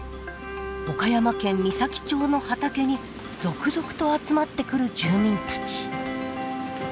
岡山県美咲町の畑に続々と集まってくる住民たち。